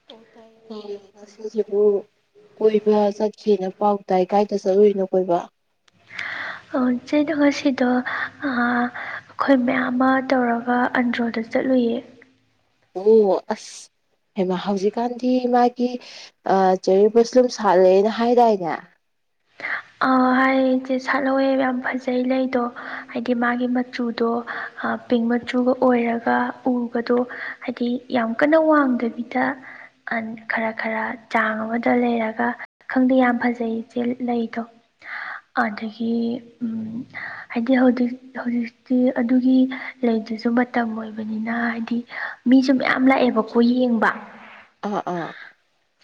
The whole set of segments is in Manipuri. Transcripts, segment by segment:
ꯑꫭ ꯇꯥꯏꯌꯦ ꯇꯥꯌꯦ ꯉꯁꯤꯁꯤꯕꯨ ꯀꯣꯏꯕ ꯆꯠꯈꯤꯅ ꯄꯥꯎ ꯇꯥꯏ ꯀꯥꯏꯗ ꯆꯠꯂꯨꯏꯅꯣ ꯀꯣꯏꯕ꯫ ꯑꫭ ꯆꯦꯗꫭ ꯉꯁꯤꯗꫭ ꯑꯥ ꯑꯈꯣꯏ ꯃꯌꯥꯝ ꯑꯃ ꯇꯧꯔꯒ ꯑꯟꯗ꯭ꯔꯣꯗ ꯆꯠꯂꯨꯏꯑꯦ꯫ ꯑꯣ ꯑꯁ꯫ ꯍꯦꯃ ꯍꯧꯖꯤꯛꯀꯥꯟꯗꯤ ꯃꯥꯒꯤ ꯑ ꯆꯦꯔꯤꯕꫭꯁ꯭ꯂꯨꯝ ꯁꯥꯠꯂꯦꯅ ꯍꯥꯏꯗꯥꯏꯅꯦ꯫ ꯏ ꯏꯆꯦ ꯁꯥꯠꯍꯧꯋꯦ ꯌꯥꯝ ꯐꯖꯩ ꯂꯩꯗꯣ ꯍꯥꯏꯗꯤ ꯃꯥꯒꯤ ꯃꯆꯨꯗꯣ꯫ ꯍꯥ ꯄꯤꯡ ꯃꯆꯨꯒ ꯑꯣꯏꯔꯒ ꯎꯕꯗꯣ ꯍꯥꯏꯗꯤ ꯌꯥꯝ ꯀꯟꯅ ꯋꯥꯡꯗꯕꯤꯗ ꯑꯟ ꯈꯔ-ꯈꯔ ꯆꯥꯡ ꯑꯃꯗ ꯂꯩꯔꯒ ꯈꯪꯗꯦ ꯌꯥꯝ ꯐꯖꯩ ꯏꯆꯦ ꯂꯩꯗꯣ꯫ ꯑꯗꯒꯤ ꯎꯝ ꯍꯥꯏꯗꯤ ꯍꯧꯖꯤꯛ ꯍꯧꯖꯤꯛꯇꯤ ꯑꯗꯨꯒꯤ ꯂꯩꯗꯨꯁꯨ ꯃꯇꯝ ꯑꯣꯏꯕꯅꯤꯅ ꯍꯥꯏꯗꯤ ꯃꯤꯁꯨ ꯃꯌꯥꯝ ꯂꯥꯛꯑꯦꯕꯀꯣ ꯌꯦꯡꯕ꯫ ꯑꯥ ꯑꯥ꯫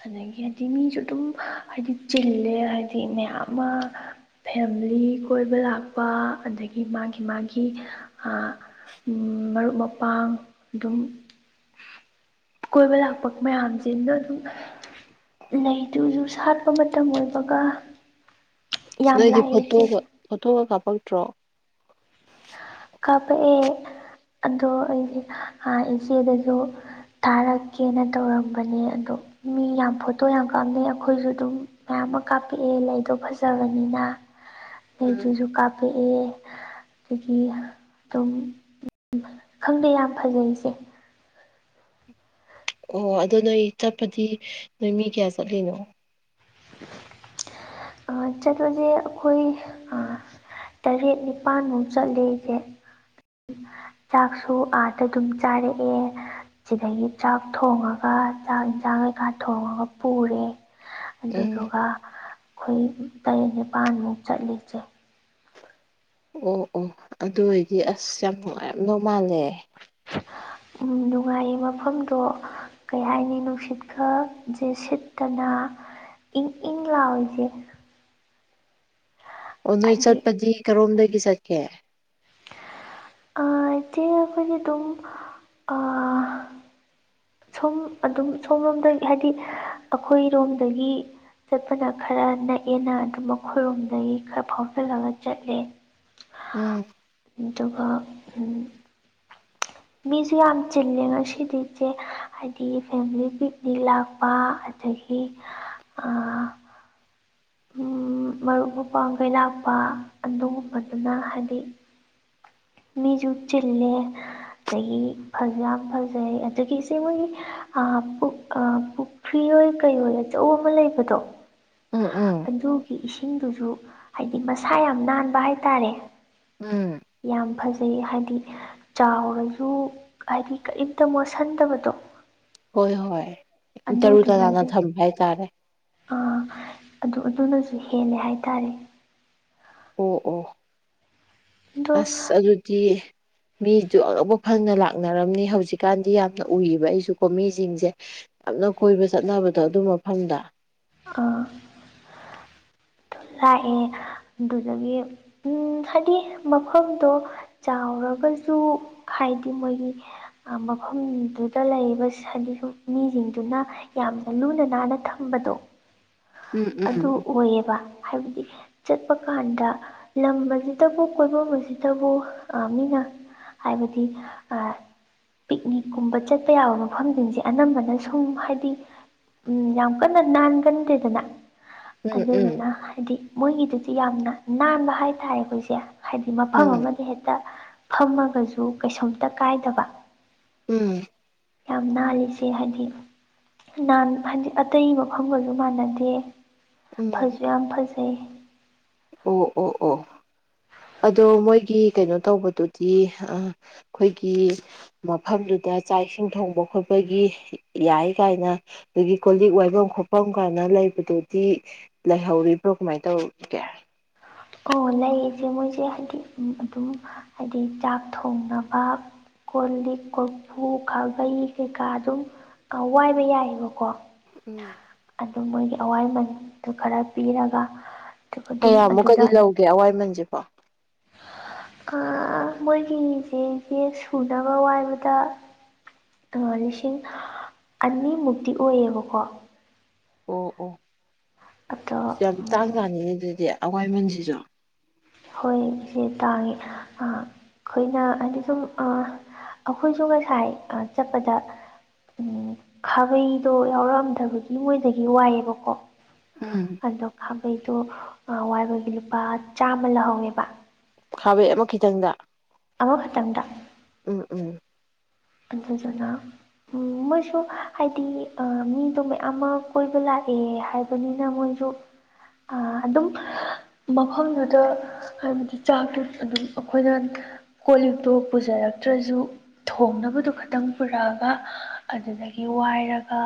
ꯑꯗꯒꯤ ꯍꯥꯏꯗꯤ ꯃꯤꯁꯨ ꯑꯗꯨꯝ ꯍꯥꯏꯗꯤ ꯆꯤꯜꯂꯦ ꯍꯥꯏꯗꯤ ꯃꯌꯥꯝ ꯑꯃ ꯐꯦꯝꯂꯤ ꯀꯣꯏꯕ ꯂꯥꯛꯄ ꯑꯗꯒꯤ ꯃꯥꯒꯤ-ꯃꯥꯒꯤ ꯑꯥ ꯃꯔꯨꯞ ꯃꯄꯥꯡ ꯑꯗꯨꯝ ꯀꯣꯏꯕ ꯂꯥꯛꯄ ꯃꯌꯥꯝꯁꯤꯅꯣ ꯑꯗꯨꯝ ꯂꯩꯗꯨꯨꯖꯨ ꯁꯥꯠꯄ ꯃꯇꯝ ꯑꯣꯏꯕꯒ ꯌꯥꯝ ꯅꯣꯏꯗꯤ ꯂꯥꯛꯑꯦ ꯏꯆꯦ ꯐꯣꯇꯣꯒ ꯐꯣꯇꯣꯒ ꯀꯥꯞꯄꯛꯇ꯭ꯔꯣ꯫ ꯀꯥꯞꯄꯛꯑꯦ ꯑꯗꯣ ꯑꯩꯁꯦ ꯑꯥ ꯏꯆꯦꯗꯁꯨ ꯊꯥꯔꯛꯀꯦꯅ ꯇꯧꯔꯝꯕꯅꯦ ꯑꯗꯣ ꯃꯤ ꯌꯥꯝ ꯐꯣꯇꯣ ꯌꯥꯝ ꯀꯥꯞꯅꯩ ꯑꯩꯈꯣꯏꯁꯨ ꯑꯗꯨꯝ ꯃꯌꯥꯝ ꯑꯃ ꯀꯥꯞꯄꯤꯑꯦ ꯂꯩꯗꯣ ꯐꯖꯕꯅꯤꯅ꯫ ꯎꯝ ꯂꯩꯗꯨꯖꯨ ꯀꯥꯞꯄꯛꯑꯦ꯫ ꯗꯒꯤ ꯑꯗꯨꯝ ꯈꯪꯗꯦ ꯌꯥꯝ ꯐꯖꯩ ꯏꯆꯦ꯫ ꯑꯣ ꯑꯗꯣ ꯅꯣꯏ ꯆꯠꯄꯗꯤ ꯅꯣꯏ ꯃꯤ ꯀꯌꯥ ꯆꯠꯂꯤꯅꯣ꯫ [inaudible] ꯑ ꯆꯠꯄꯁꯦ ꯑꯩꯈꯣꯏ ꯑ ꯇꯔꯦꯠ ꯅꯤꯄꯥꯟꯃꯨꯛ ꯆꯠꯂꯦ ꯏꯆꯦ꯫ ꯆꯥꯛꯁꯨ ꯑꯥꯗ ꯗꯨꯝ ꯆꯥꯔꯛꯑꯦ꯫ ꯁꯤꯗꯒꯤ ꯆꯥꯛ ꯊꯣꯡꯉꯒ ꯆꯥꯛ ꯌꯦꯟꯁꯥꯡ ꯀꯩꯀꯥ ꯊꯣꯡꯉꯒ ꯄꯨꯔꯦ꯫ ꯎꯝ ꯑꯗꯨꯗꯨꯒ ꯑꯩꯈꯣꯏ ꯇꯔꯦꯠ ꯅꯤꯄꯥꯟꯃꯨꯛ ꯆꯠꯂꯤ ꯏꯆꯦ꯫ ꯑꯣ-ꯑꯣ ꯑꯗꯨ ꯑꯣꯏꯗꯤ ꯑꯁ ꯌꯥꯝ ꯅꯨꯡꯉꯥꯏꯔꯝꯗꯧ ꯃꯥꯜꯂꯦ꯫ ꯎꯝ ꯅꯨꯡꯉꯥꯏꯌꯦ ꯃꯐꯝꯗꯣ ꯀꯩ ꯍꯥꯏꯅꯤ ꯅꯨꯡꯁꯤꯠꯀꯁꯦ ꯁꯤꯠꯇꯅ ꯏꯪ-ꯏꯪ ꯂꯥꯎꯏ ꯏꯆꯦ꯫ ꯑꯣ ꯅꯣꯏ ꯍꯥꯏꯗꯤ ꯆꯠꯄꯗꯤ ꯀꯔꯣꯝꯗꯒꯤ ꯆꯠꯀꯦ꯫ [unintelligible] ꯑꯈꯣꯏꯗꯤ ꯑꯗꯨꯝ ꯑꯥ ꯁꯨꯝ ꯑꯗꯨꯝ ꯁꯣꯝꯂꯣꯝꯗꯩ ꯍꯥꯏꯗꯤ ꯑꯈꯨꯏꯔꯣꯝꯗꯒꯤ ꯆꯠꯄꯅ ꯈꯔ ꯅꯛꯑꯦꯅ ꯑꯗꯨꯝ ꯑꯈꯣꯏꯔꯣꯝꯗꯒꯤ ꯈꯔ ꯐꯥꯎꯆꯜꯂꯒ ꯆꯠꯂꯦ꯫ ꯎꯝ꯫ ꯑꯗꯨꯒ ꯃꯤꯁꯨ ꯌꯥꯝ ꯆꯤꯜꯂꯦ ꯉꯁꯤꯗꯤꯁꯦ ꯍꯥꯏꯗꯤ ꯐꯦꯃꯤꯂꯤ ꯄꯤꯛꯅꯤꯛ ꯂꯥꯛꯄ ꯑꯗꯒꯤ ꯃꯔꯨꯞ ꯃꯄꯥꯡꯈꯩ ꯂꯥꯛꯄ ꯑꯗꯨꯒꯨꯝꯕꯗꯨꯅ ꯍꯥꯏꯗꯤ ꯃꯤꯁꯨ ꯆꯤꯜꯂꯦ ꯑꯗꯒꯤ ꯐꯁꯨ ꯌꯥꯝ ꯐꯖꯩ ꯑꯗꯨꯒꯤ ꯏꯆꯦ ꯃꯣꯏꯒꯤ ꯄꯨꯈ꯭ꯔꯤ ꯍꯣꯏ ꯀꯩꯍꯣꯏ ꯑꯆꯧꯕ ꯑꯃ ꯂꯩꯕꯗꯣ ꯑꯣ ꯑꯥ ꯑꯗꯨꯒꯤ ꯏꯁꯤꯡꯗꯨꯁꯨ ꯍꯥꯏꯗꯤ ꯃꯁꯥ ꯌꯥꯝ ꯅꯥꯟꯕ ꯍꯥꯏꯇꯥꯔꯦ ꯎꯝ ꯌꯥꯝ ꯐꯖꯩ ꯍꯥꯏꯗꯤ ꯆꯥꯎꯔꯁꯨ ꯍꯥꯏꯗꯤ ꯀꯔꯤꯝꯇ ꯃꯣꯠꯁꯤꯟꯗꯕꯗꯣ ꯍꯣꯏ ꯍꯣꯏ ꯇꯔꯨ ꯇꯔꯥꯅ ꯊꯝꯕ ꯍꯥꯏꯇꯥꯔꯦ ꯑꯥ ꯑꯗꯨ ꯑꯗꯨꯅꯁꯨ ꯍꯦꯜꯂꯦ ꯍꯥꯏꯇꯥꯔꯦ ꯑꯣ ꯑꯣ ꯑꯗꯣ ꯑꯁ ꯑꯗꯨꯗꯤ ꯃꯤꯁꯨ ꯑꯅꯧꯕ ꯐꯪꯅ ꯂꯥꯛꯅꯔꯝꯅꯤ ꯍꯧꯖꯤꯛꯀꯥꯟꯗꯤ ꯌꯥꯝꯅ ꯎꯏꯕ ꯑꯩꯁꯨꯀꯣ ꯃꯤꯁꯤꯡꯁꯦ ꯌꯥꯝꯅ ꯀꯣꯏꯕ ꯆꯠꯅꯕꯗꯣ ꯑꯗꯨ ꯃꯐꯝꯗ ꯑꯥ ꯑꯗꯨ ꯂꯥꯛꯑꯦ ꯑꯗꯨꯗꯒꯤ ꯎ ꯍꯥꯏꯗꯤ ꯃꯐꯝꯗꯣ ꯆꯥꯎꯔꯒꯁꯨ ꯍꯥꯏꯗꯤ ꯃꯣꯏꯒꯤ ꯃꯐꯝꯗꯨꯗ ꯂꯩꯔꯤꯕꯗꯤ ꯃꯤꯁꯤꯡꯗꯨꯅ ꯌꯥꯝꯅ ꯂꯨꯅ ꯅꯥꯟꯅ ꯊꯝꯕꯗꯣ ꯎꯝ ꯎꯝ ꯑꯗꯨ ꯑꯣꯏꯌꯦꯕ ꯍꯥꯏꯕꯗꯤ ꯆꯠꯄ ꯀꯥꯟꯗ ꯂꯝ ꯑꯁꯤꯗꯕꯨ ꯀꯣꯏꯕ ꯑꯁꯤꯗꯕꯨ ꯑ ꯃꯤꯅ ꯍꯥꯏꯕꯗꯤ ꯄꯤꯛꯅꯤꯛꯀꯨꯝꯕ ꯆꯠꯄ ꯌꯥꯕ ꯃꯐꯝꯁꯤꯡꯁꯦ ꯑꯅꯝꯕꯅ ꯁꯨꯝ ꯍꯥꯏꯗꯤ ꯎꯝ ꯌꯥꯝ ꯀꯟꯅ ꯅꯥꯟꯒꯟꯗꯦꯗꯅ ꯎꯝ ꯎꯝ ꯑꯗꯨꯗꯨꯅ ꯍꯥꯏꯗꯤ ꯃꯣꯏꯒꯤꯗꯨꯗꯤ ꯌꯥꯝꯅ ꯅꯥꯟꯕ ꯍꯥꯏꯇꯥꯔꯦ ꯑꯩꯈꯣꯏꯁꯦ ꯍꯥꯏꯗꯤ ꯃꯐꯝ ꯎꯝ ꯑꯃꯗ ꯍꯦꯛꯇ ꯐꯝꯃꯒꯁꯨ ꯀꯩꯁꯨꯝꯝꯇ ꯀꯥꯏꯗꯕ ꯎꯝ ꯌꯥꯝ ꯅꯥꯜꯂꯤꯁꯦ ꯍꯥꯏꯗꯤ ꯍꯥꯏꯗꯤ ꯑꯇꯩ ꯃꯐꯝꯪꯒꯁꯨ ꯃꯥꯟꯅꯗꯦ ꯎꯝ ꯐꯁꯨ ꯌꯥꯝ ꯐꯖꯩ ꯑꯣ ꯑꯣ ꯑꯣ ꯑꯗꯣ ꯃꯣꯏꯒꯤ ꯀꯩꯅꯣ ꯇꯧꯕꯗꯨꯗꯤ ꯑ ꯑꯩꯈꯣꯏꯒꯤ ꯃꯐꯝꯗꯨꯗ ꯆꯥꯛ ꯏꯁꯤꯡ ꯊꯣꯡꯕ ꯈꯣꯠꯄꯒꯤ ꯌꯥꯏ ꯀꯥꯏꯅ ꯑꯗꯒꯤ ꯀꯣ ꯂꯤꯛ ꯋꯥꯏꯐꯝ ꯈꯣꯐꯝ ꯀꯥꯏꯅ ꯂꯩꯕꯗꯨꯗꯤ ꯂꯩꯍꯧꯔꯤꯕ꯭ꯔꯣ ꯀꯃꯥꯏꯅ ꯇꯧꯒꯦ ꯑꯣ ꯂꯩꯔꯤꯁꯦ ꯃꯣꯏꯁꯦ ꯍꯥꯏꯗꯤ ꯑꯗꯨꯝ ꯍꯥꯏꯗꯤ ꯆꯥꯛ ꯊꯣꯡꯅꯕ ꯀꯣ ꯂꯤꯛ ꯀꯣꯔꯐꯨ ꯈꯥꯕꯩ ꯀꯩꯀꯥ ꯑꯗꯨꯝ ꯀ ꯋꯥꯏꯕ ꯌꯥꯏꯑꯕꯀꯣ ꯎꯝ ꯑꯗꯨ ꯃꯣꯏꯒꯤ ꯑꯋꯥꯏꯃꯟꯗꯨ ꯈꯔ ꯄꯤꯔꯒ ꯑꯗꯨꯝ ꯀꯌꯥꯃꯨꯛꯀꯗꯤ ꯑꯗꯨꯗ ꯂꯧꯒꯦ ꯑꯋꯥꯏꯃꯟꯁꯤꯦꯕꯣ ꯃꯣꯏꯒꯤꯁꯦ ꯕꯦꯛ ꯁꯨꯅꯕ ꯋꯥꯏꯕꯗ ꯂꯤꯁꯤꯡ ꯑꯅꯤꯃꯨꯛꯇꯤ ꯑꯣꯏꯌꯦꯕꯀꯣ ꯑꯣ ꯑꯣ ꯑꯗꯣ ꯌꯥꯝ ꯇꯥꯡ ꯇꯥꯅꯤꯉ ꯑꯗꯨꯗꯤ ꯑꯋꯥꯏꯃꯟꯁꯤꯁꯨ ꯍꯣꯏ ꯏꯆꯦ ꯇꯥꯡꯉꯦ ꯑꯩꯈꯣꯏꯅ ꯍꯥꯏꯗꯤ ꯁꯨꯝ ꯑꯩꯈꯣꯏꯁꯨ ꯉꯁꯥꯏ ꯆꯠꯄꯗ ꯎꯝ ꯈꯥꯕꯩꯗꯣ ꯌꯥꯎꯔꯛꯑꯝꯗꯕꯒꯤ ꯃꯣꯏꯗꯒꯤ ꯋꯥꯏꯑꯦꯕꯀꯣ ꯎꯝ ꯑꯗꯣ ꯈꯥꯕꯩꯗꯣ ꯋꯥꯏꯕꯣꯏꯒꯤ ꯂꯨꯄꯥ ꯆꯥꯝꯃ ꯂꯧꯍꯧꯋꯦꯕ ꯈꯥꯕꯩ ꯑꯃ ꯈꯤꯇꯪꯗ ꯑꯃꯈꯛꯇꯗ ꯎꯝ ꯎꯝ ꯑꯗꯨꯗꯨꯅ ꯎꯝ ꯃꯣꯏꯁꯨ ꯍꯥꯏꯗꯤ ꯑ ꯃꯤꯗꯣ ꯃꯌꯥꯝ ꯑꯃ ꯀꯣꯏꯕ ꯂꯥꯛꯑꯦ ꯍꯥꯏꯕ ꯑꯗꯨꯅꯤꯅ ꯃꯣꯏꯁꯨ ꯑꯥ ꯑꯗꯨꯝ ꯃꯐꯝꯗꯨꯗ ꯍꯥꯏꯕꯗꯤ ꯆꯥꯛꯇꯣ ꯑꯗꯨꯝ ꯑꯩꯈꯣꯏꯅ ꯀꯣꯜ ꯂꯤꯞꯇꯣ ꯄꯨꯖꯔꯛꯇ꯭ꯔꯁꯨ ꯊꯣꯡꯅꯕ ꯑꯗꯨꯗꯣ ꯈꯇꯪ ꯄꯨꯔꯛꯑꯒ ꯑꯗꯨꯗꯒꯤ ꯋꯥꯏꯔꯒ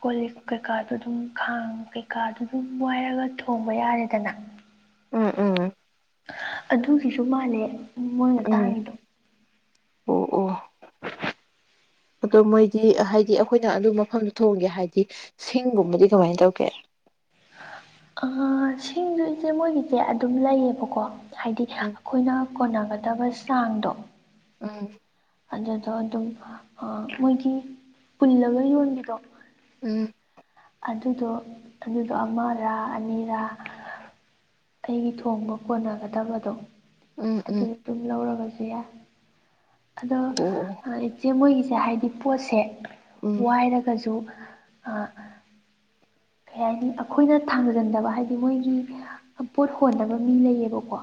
ꯀꯣ ꯂꯤꯛ ꯀꯩꯀꯥꯗꯨ ꯑꯗꯨꯝ ꯈꯥꯡ ꯀꯩꯀꯥꯗꯨ ꯑꯗꯨꯝ ꯋꯥꯏꯔꯒ ꯊꯣꯡꯕ ꯌꯥꯔꯦꯗꯅ ꯎꯝ ꯎꯝ ꯑꯗꯨꯒꯤꯁꯨ ꯃꯥꯜꯂꯦ ꯃꯣꯏꯅ ꯎꯝ ꯇꯥꯡꯉꯤꯗꯣ ꯑꯣ ꯑꯣ [inaudible] ꯑꯗꯣ ꯃꯣꯏꯗꯤ ꯍꯥꯏꯗꯤ ꯑꯩꯈꯣꯏꯅ ꯑꯗꯨ ꯃꯐꯝꯗ ꯊꯣꯡꯒꯦ ꯍꯥꯏꯗꯤ ꯁꯤꯡꯒꯨꯝꯕꯗꯤ ꯀꯃꯥꯏꯅ ꯇꯧꯒꯦ ꯑꯥ ꯁꯤꯡꯗꯨꯗꯤ ꯃꯣꯏꯒꯤ ꯑꯗꯨꯝ ꯂꯩꯌꯦꯕꯀꯣ ꯍꯥꯏꯗꯤ ꯎꯝ ꯑꯩꯈꯣꯏꯅ ꯀꯣꯟꯅꯒꯗꯕ ꯆꯥꯡꯗꯣ ꯎꯝ ꯑꯗꯨꯗꯣ ꯑꯗꯨꯝ ꯃꯣꯏꯒꯤ ꯄꯨꯜꯂꯒ ꯌꯣꯟꯕꯤꯗꯣ ꯎꯝ ꯑꯗꯨꯗꯣ ꯑꯗꯨꯗꯣ ꯑꯃꯔꯥ ꯑꯅꯤꯔꯥ ꯑꯩꯒꯤ ꯊꯣꯡꯕ ꯀꯣꯟꯅꯒꯗꯕꯗꯣ ꯎꯝ ꯑꯗꯨ ꯎꯝ ꯇꯨꯝ ꯂꯧꯔꯒꯁꯨ ꯌꯥꯏ ꯑꯗꯣ ꯑꯣ ꯑꯣ ꯏꯆꯦ ꯃꯣꯏꯒꯤꯁꯦ ꯍꯥꯏꯕꯗꯤ ꯄꯣꯠꯁꯦ ꯎꯝ ꯋꯥꯏꯔꯒꯖꯨ ꯑ ꯀꯩ ꯍꯥꯏꯅꯤ ꯑꯈꯣꯏꯅ ꯊꯥꯡꯖꯟꯗꯕ ꯍꯥꯏꯗꯤ ꯃꯣꯏꯒꯤ ꯑ ꯄꯣꯠ ꯍꯣꯟꯅꯕ ꯃꯤ ꯂꯩꯌꯦꯕꯀꯣ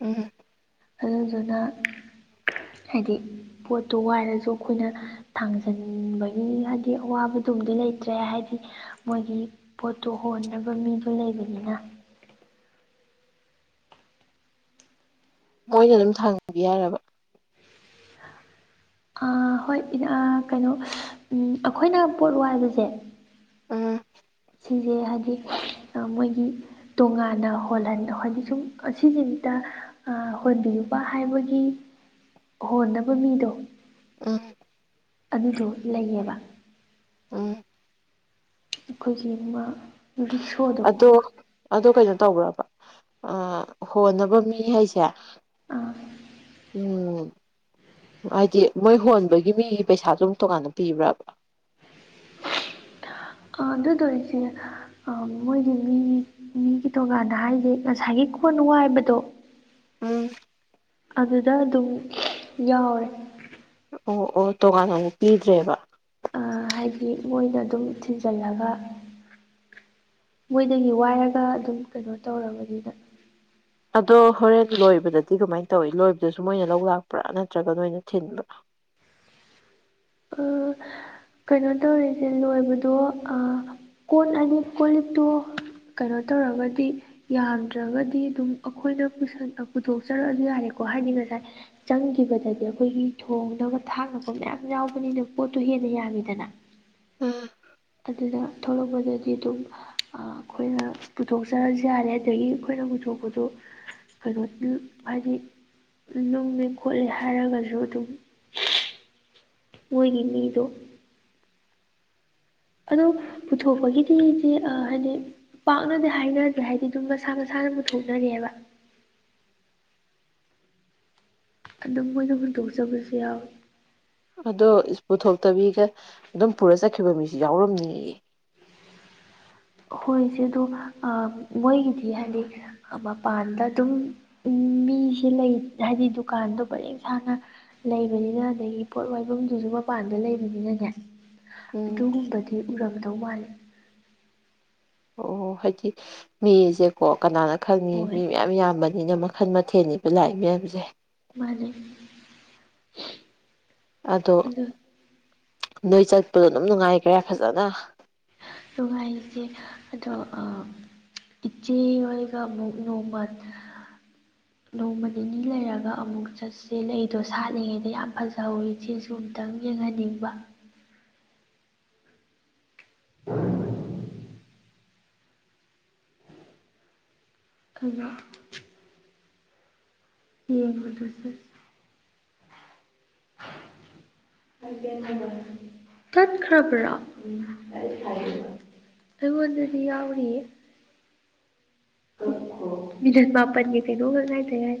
ꯎꯝ ꯑꯗꯨꯗꯨꯅ ꯍꯥꯏꯗꯤ ꯄꯣꯠꯇꯣ ꯋꯥꯏꯔꯁꯨ ꯑꯩꯈꯣꯏꯅ ꯊꯥꯡꯖꯟꯕꯒꯤ ꯍꯥꯗꯤ ꯑꯋꯥꯕꯗꯨꯝꯗꯤ ꯂꯩꯇ꯭ꯔꯦ ꯍꯥꯏꯗꯤ ꯃꯣꯏꯒꯤ ꯄꯣꯠꯇꯨ ꯍꯣꯟꯅꯕ ꯃꯤꯗꯣ ꯂꯩꯕꯅꯤꯅ ꯃꯣꯏꯅ ꯑꯗꯨꯝ ꯊꯥꯡꯉꯗꯤ ꯌꯥꯔꯕꯣ ꯑꯥ ꯍꯣꯏ ꯀꯩꯅꯣ ꯑꯩꯈꯣꯏꯅ ꯄꯣꯠ ꯋꯥꯏꯕꯁꯦ ꯎꯝ ꯁꯤꯁꯦ ꯍꯥꯏꯗꯤ ꯃꯣꯏꯒꯤ ꯇꯣꯉꯥꯟꯅ ꯍꯣꯜꯍꯟ ꯍꯣꯏꯗꯤ ꯁꯨꯝ ꯑꯁꯤꯁꯤꯝꯇꯥ ꯑ ꯍꯣꯟꯕꯤꯌꯨꯕ ꯍꯥꯏꯕꯒꯤ ꯍꯣꯟꯅꯕ ꯃꯤꯗꯣ ꯑꯝ ꯑꯗꯨꯗꯣ ꯂꯩꯌꯦꯕ ꯎꯝ ꯑꯩꯈꯣꯏ ꯆꯦ ꯑꯃ ꯔꯤꯛꯁꯣꯗ ꯑꯗꯣ ꯑꯗꯣ ꯀꯩꯅꯣ ꯇꯧꯕ꯭ꯔꯕ ꯑ ꯍꯣꯟꯅꯕ ꯃꯤ ꯍꯥꯏꯁꯦ ꯑꯥ ꯎꯝ ꯍꯥꯏꯗꯤ ꯃꯣꯏ ꯍꯣꯟꯕꯒꯤ ꯃꯤꯒꯤ ꯄꯩꯁꯥꯁꯨꯝ ꯇꯣꯉꯥꯟꯅ ꯄꯤꯕ꯭ꯔꯕ ꯑ ꯑꯗꯨꯗꯣ ꯏꯆꯦ ꯑ ꯃꯣꯏꯒꯤ ꯃꯤ ꯃꯤꯒꯤ ꯇꯣꯉꯥꯟꯅ ꯍꯥꯏꯁꯦ ꯉꯁꯥꯏꯒꯤ ꯀꯣꯟ ꯋꯥꯏꯕꯗꯣ ꯎꯝ ꯑꯗꯨꯗ ꯑꯗꯨꯝ ꯌꯥꯎꯔꯦ ꯑꯣ ꯑꯣ ꯇꯣꯉꯥꯟꯅ ꯑꯃꯨꯛ ꯄꯤꯗ꯭ꯔꯦꯕ ꯑꯥ ꯍꯥꯏꯗꯤ ꯃꯣꯏꯅ ꯑꯗꯨꯝ ꯊꯤꯟꯖꯤꯜꯂꯒ ꯃꯣꯏꯗꯒꯤ ꯋꯥꯏꯔꯒ ꯑꯗꯨꯝ ꯀꯩꯅꯣ ꯇꯧꯔꯕꯅꯤꯗ ꯑꯗꯣ ꯍꯣꯔꯦꯟ ꯂꯣꯏꯕꯗꯗꯤ ꯀꯃꯥꯏꯅ ꯇꯧꯏꯤ ꯂꯣꯏꯕꯗꯁꯨ ꯃꯣꯏꯅ ꯂꯧ ꯂꯥꯛꯄ꯭ꯔꯥ ꯅꯠꯇ꯭ꯔꯒ ꯅꯣꯏꯅ ꯊꯤꯟꯕ꯭ꯔꯥ ꯑꯥ ꯀꯩꯅꯣ ꯇꯧꯋꯦ ꯏꯆꯦ ꯂꯣꯏꯕꯗꯣ ꯀꯣꯟꯂꯅꯤ ꯀꯣ ꯂꯤꯛꯇꯣ ꯀꯩꯅꯣ ꯇꯧꯔꯒꯗꯤ ꯌꯥꯝꯗ꯭ꯔꯒꯗꯤ ꯑꯗꯨꯝ ꯑꯩꯈꯣꯏꯅ ꯄꯨꯊꯣꯛꯆꯔꯛꯑꯁꯨ ꯌꯥꯔꯦꯀꯣ ꯍꯥꯏꯗꯤ ꯉꯁꯥꯏ ꯆꯪꯈꯤꯕꯗꯗꯤ ꯑꯩꯈꯣꯏꯒꯤ ꯊꯣꯡꯅꯕ ꯊꯥꯛꯅꯕ ꯃꯌꯥꯝ ꯌꯥꯎꯕꯅꯤꯅ ꯄꯣꯠꯇꯣ ꯍꯦꯟꯅ ꯌꯥꯝꯃꯤꯗꯅ ꯎꯝ ꯑꯗꯨꯗ ꯊꯣꯛꯂꯛꯄꯗꯗꯤ ꯑꯗꯨꯝ ꯑꯩꯈꯣꯏꯅ ꯄꯨꯊꯣꯛꯆꯔꯁꯨ ꯌꯥꯔꯦ ꯑꯗꯒꯤ ꯑꯩꯈꯣꯏꯅ ꯄꯨꯊꯣꯛꯄꯗꯨ ꯀꯩꯅꯣ ꯍꯥꯏꯗꯤ ꯅꯨꯡꯂ ꯈꯣꯠꯂꯦ ꯍꯥꯏꯔꯒꯁꯨ ꯑꯗꯨꯝ ꯃꯣꯏꯒꯤ ꯃꯤꯗꯣ ꯑꯗꯣ ꯄꯨꯊꯣꯛꯄꯒꯤꯗꯤꯗꯤꯦ ꯍꯥꯏꯗꯤ ꯄꯥꯛꯅꯗꯤ ꯍꯥꯏꯅꯗ꯭ꯔꯦ ꯍꯥꯏꯗꯤ ꯑꯗꯨꯝ ꯃꯁꯥ ꯃꯁꯥꯅ ꯄꯨꯊꯣꯛꯅꯔꯤꯦꯑꯕ ꯑꯗꯨꯝ ꯃꯣꯏꯅ ꯍꯨꯟꯗꯣꯛꯆꯕꯁꯨ ꯌꯥꯎꯋꯤ ꯑꯗꯣ ꯄꯨꯊꯣꯛꯇꯕꯤꯒ ꯑꯗꯨꯝ ꯄꯨꯔ ꯆꯠꯈꯤꯕ ꯃꯤꯁꯨ ꯌꯥꯎꯔꯝꯅꯤꯌꯦ ꯍꯣꯏꯆꯦꯗꯣ ꯑ ꯃꯣꯏꯒꯤꯗꯤ ꯍꯥꯏꯗꯤ ꯃꯄꯥꯟꯗ ꯑꯗꯨꯝ ꯃꯤꯁꯦ ꯂꯩ ꯍꯥꯏꯗꯤ ꯗꯨꯀꯥꯟꯗꯥ ꯄꯔꯦꯡ ꯁꯥꯥꯟꯅ ꯂꯩꯕꯅꯤꯅ ꯑꯗꯒꯤ ꯄꯣꯠ ꯋꯥꯏꯕꯝꯗꯨꯁꯨ ꯃꯄꯥꯟꯗ ꯂꯩꯕꯅꯤꯅꯅꯦ ꯎꯝ ꯑꯗꯨꯒꯨꯝꯕꯗꯤ ꯎꯔꯝꯒꯗꯧ ꯃꯥꯂꯦ ꯑꯣ ꯍꯣ ꯍꯥꯏꯗꯤ ꯃꯤꯁꯦꯀꯣ ꯀꯅꯥꯅ ꯈꯪꯉꯤ ꯃꯤ ꯍꯣꯏ ꯃꯌꯥꯝ ꯌꯥꯝꯕꯟ ꯅꯦꯅ ꯃꯈꯟ ꯃꯊꯦꯟꯅꯦꯕ ꯂꯥꯛꯏ ꯃꯌꯥꯝꯖꯦ ꯃꯥꯅꯦ ꯑꯗꯣ ꯑꯗꯨ ꯅꯣꯏ ꯆꯠꯄꯗꯣ ꯑꯗꯨꯝ ꯅꯨꯡꯉꯥꯏꯈ꯭ꯔꯦ ꯐꯖꯅ ꯅꯨꯡꯉꯥꯏꯔꯤꯁꯦ ꯑꯗꯣ ꯑ ꯏꯆꯦ ꯑꯣꯏꯒ ꯃꯨꯛ ꯅꯣꯡꯃꯠ ꯅꯣꯡꯃ ꯅꯤꯅꯤ ꯂꯩꯔꯒ ꯑꯃꯨꯛ ꯆꯠꯁꯦ ꯂꯩꯗꯣ ꯁꯥꯠꯂꯤꯉꯩꯗ ꯌꯥꯝ ꯐꯖꯍꯧꯋꯤ ꯆꯦ ꯔꯨꯝꯇꯪ ꯌꯦꯡꯍꯟꯅꯤꯡꯕ ꯈꯖ ꯍꯝ ꯑꯗꯨꯁꯨ [inaudible] ꯇꯠ ꯈꯔꯕꯔ ꯑꯩꯉꯣꯟꯗꯁꯨ ꯌꯥꯎꯔꯤꯌꯦ ꯃꯤꯗꯨꯟ ꯃꯥꯄꯟꯒꯦ ꯀꯩꯅꯣꯝꯃ ꯂꯥꯏꯗ ꯉꯥꯏ